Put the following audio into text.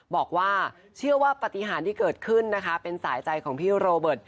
บอกว่าเชื่อว่าปฏิหารที่เกิดขึ้นนะคะเป็นสายใจของพี่โรเบิร์ต